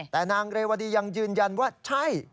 แต่นางเรวดียังยืนยันว่าใช่